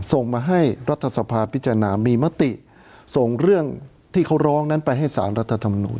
ส่งมาให้รัฐสภาพิจารณามีมติส่งเรื่องที่เขาร้องนั้นไปให้สารรัฐธรรมนุน